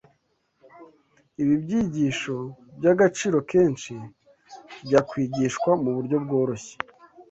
Ibi byigisho by’agaciro kenshi byakwigishwa mu buryo bworoshye